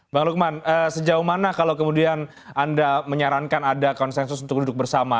bang lukman sejauh mana kalau kemudian anda menyarankan ada konsensus untuk duduk bersama